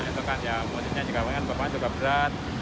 itu kan ya musimnya juga memang bapaknya juga berat